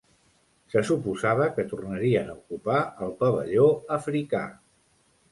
Se suposava que tornarien a ocupar el pavelló africà.